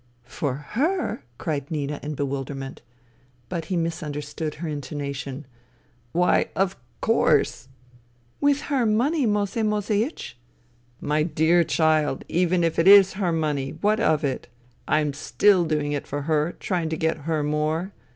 " For her !" cried Nina in bewilderment. But he misunderstood her intonation. " Why, of course !"" With her money, Moesei Moeseiech ?"" My dear child, even if it is her money, what of it ? I am still doing it for her, trying to get her more.